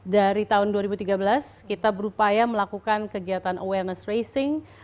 dari tahun dua ribu tiga belas kita berupaya melakukan kegiatan awareness racing